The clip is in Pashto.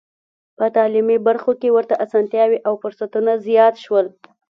په تعلیمي برخو کې ورته اسانتیاوې او فرصتونه زیات شول.